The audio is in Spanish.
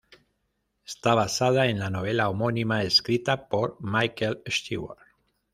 Está basada en la novela homónima escrita por Michael Stewart.